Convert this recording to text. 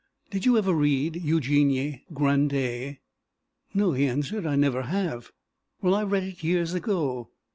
"Did you ever read 'Eugénie Grandet'?" "No," he answered, "I never have." "Well, I read it years ago.